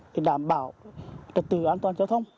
để đảm bảo trật tự an toàn giao thông